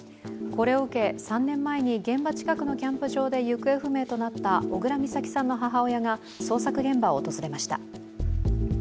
これを受け、３年前に現場近くのキャンプ場で行方不明となった小倉美咲さんの母親が捜索現場を訪れました。